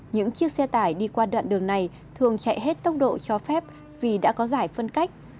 những chiếc xe tải đi qua đoạn đường này thường chạy hết tốc độ cho phép vì đã có giải phân cách